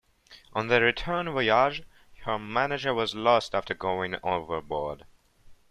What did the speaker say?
On the return voyage her manager was lost after going overboard.